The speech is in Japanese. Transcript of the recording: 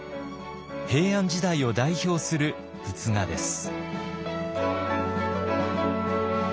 平安時代を代表する仏画です。